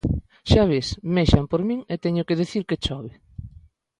Xa ves, mexan por mín e teño que dicir que chove